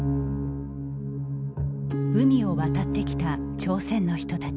海を渡ってきた朝鮮の人たち。